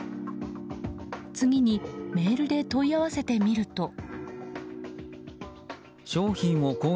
次にメールで問い合わせてみると。